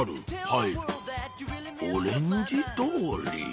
はい「オレンジ通り」？